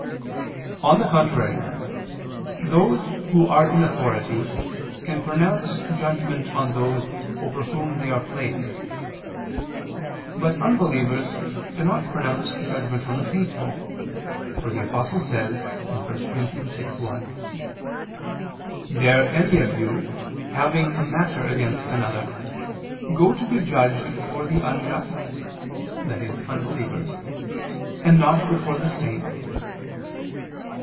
On the contrary, Those who are in authority can pronounce judgment on those over whom they are placed. But unbelievers cannot pronounce judgment on the faithful, for the Apostle says (1 Cor. 6:1): "Dare any of you, having a matter against another, go to be judged before the unjust," i.e. unbelievers, "and not before the saints?"